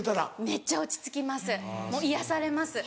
めっちゃ落ち着きます癒やされます。